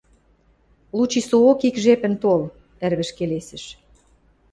— Лучи соок ик жепӹн тол, — ӹрвӹж келесӹш.